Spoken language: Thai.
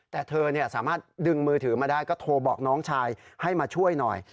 แต่เธอสามารถดึงมือถือมาได้ก็โทรบอกน้องชายให้มาช่วยหน่อย